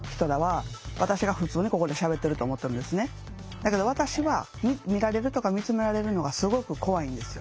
だけど私は見られるとか見つめられるのがすごく怖いんですよ。